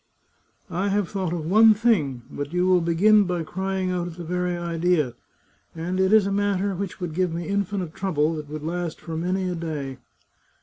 I have thought of one thing — but you will begin by crying out at the very idea — and it is a matter which would give me infinite trouble, that would last for many a day.